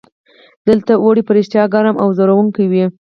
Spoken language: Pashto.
دلته اوړي په رښتیا ګرم او ځوروونکي وي.